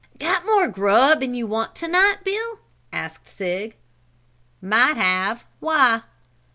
"Got more grub'n you want to night, Bill?" asked Sig. "Might have why?"